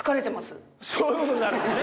そういうことになるんですね。